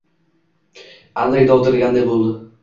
Andak dovdiraganday bo‘ldi